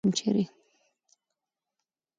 د مور لاس لویه هستي لټوم ، چېرې؟